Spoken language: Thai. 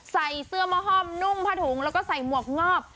ใส่เสื้อมะห้อมนุ่งผ้าถุงแล้วก็ใส่หมวกงอบ